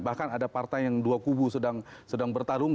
bahkan ada partai yang dua kubu sedang bertarung